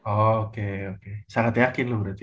oh oke oke sangat yakin lu berarti ya